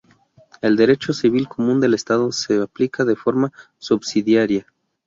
El derecho civil común del Estado se aplica de forma subsidiaria.